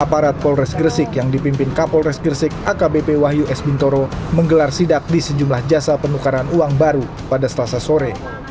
aparat polres gresik yang dipimpin kapolres gresik akbp wahyu s bintoro menggelar sidak di sejumlah jasa penukaran uang baru pada selasa sore